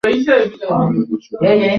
মহিলা পশুপাল শহর থেকে অনেক দূরে নিয়ে যায়।